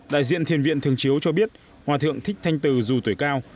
đại diện thiền viện thường chiếu cho biết hòa thượng thích thanh từ dù tuổi cao